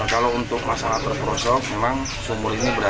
kalau untuk masalah terperosok memang sumur ini berada